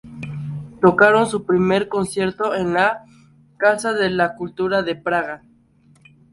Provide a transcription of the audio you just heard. Tocaron su primer concierto en la Casa de la Cultura de Praga.